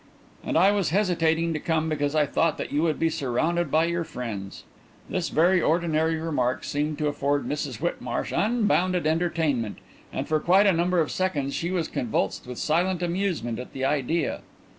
"And I was hesitating to come because I thought that you would be surrounded by your friends." This very ordinary remark seemed to afford Mrs Whitmarsh unbounded entertainment and for quite a number of seconds she was convulsed with silent amusement at the idea.